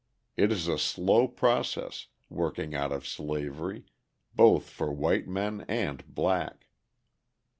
It is a slow process, working out of slavery, both for white men and black.